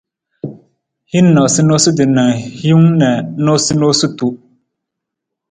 Hin noosanoosa na hiwung na noosunonosutu.